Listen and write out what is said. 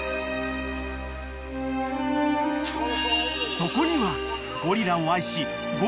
［そこには］